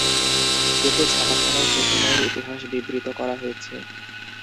এতে ছাপাখানার সে সময়ের ইতিহাস বিবৃত করা হয়েছে।